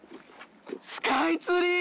スカイツリー。